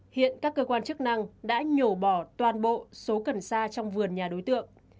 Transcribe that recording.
hiện các cơ quan chức năng đã nhổ bỏ toàn bộ số cần xa trong vườn nhà đối tượng